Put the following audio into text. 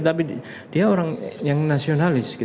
tapi dia orang yang nasionalis